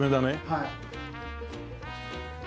はい。